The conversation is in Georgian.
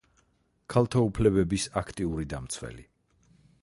ქალთა უფლებების აქტიური დამცველი.